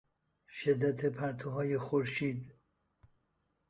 شدت پرتوهای خورشید